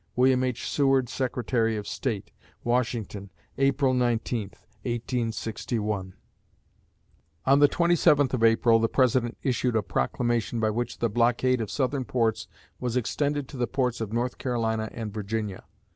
WILLIAM H. SEWARD, Secretary of State. WASHINGTON, April 19, 1861. On the 27th of April the President issued a proclamation by which the blockade of Southern ports was extended to the ports of North Carolina and Virginia.